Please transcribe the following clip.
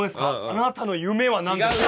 あなたの夢はなんですか？